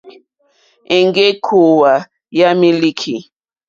Èŋɡé kòòwà yà mílíkì.